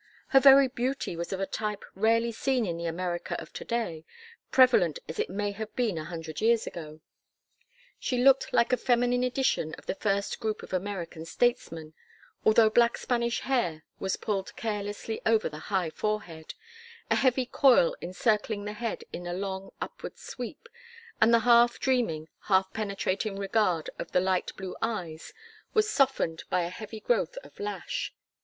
Her very beauty was of a type rarely seen in the America of to day, prevalent as it may have been a hundred years ago: she looked like a feminine edition of the first group of American statesmen although black Spanish hair was pulled carelessly over the high forehead, a heavy coil encircling the head in a long upward sweep, and the half dreaming, half penetrating regard of the light blue eyes was softened by a heavy growth of lash.